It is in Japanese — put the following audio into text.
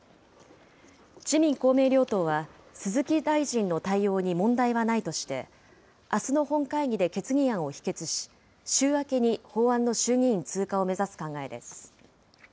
自民、公明両党は、鈴木大臣の対応に問題はないとして、あすの本会議で決議案を否決し、週明けに法案の衆議院通過を目指す考えです。